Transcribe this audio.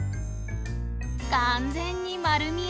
完全に丸見え！